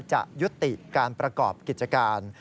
จะยุติการประกอบกิจการ